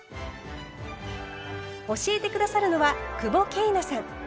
教えて下さるのは久保桂奈さん。